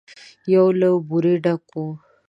يو له بورې ډک و.